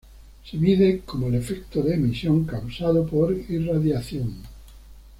Se mide como el efecto de emisión causado por irradiación.